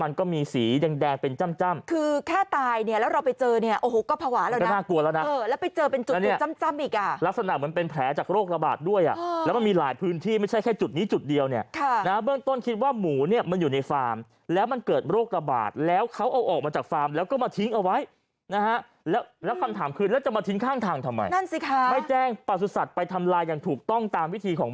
ลักษณะเหมือนเป็นแผลจากโรคระบาดด้วยอ่ะแล้วมีหลายพื้นที่ไม่ใช่แค่จุดนี้จุดเดียวเนี่ยเบื้องต้นคิดว่าหมูเนี่ยมันอยู่ในฟาร์มแล้วมันเกิดโรคระบาดแล้วเขาเอาออกมาจากฟาร์มแล้วก็มาทิ้งเอาไว้นะฮะแล้วคำถามคือแล้วจะมาทิ้งข้างทางทำไมไม่แจ้งประสุทธิ์สัตว์ไปทำลายอย่างถูกต้องตามวิธีของ